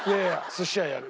寿司屋やる。